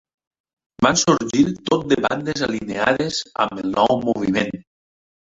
Van sorgir tot de bandes alineades amb el nou moviment.